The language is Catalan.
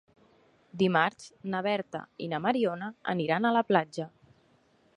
Dimarts na Berta i na Mariona aniran a la platja.